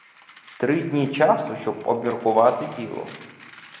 Три дні часу, щоб обміркувати діло.